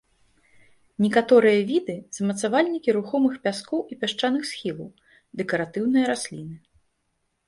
Некаторыя віды замацавальнікі рухомых пяскоў і пясчаных схілаў, дэкаратыўныя расліны.